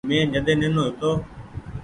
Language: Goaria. مين جڏي نينو هيتو ۔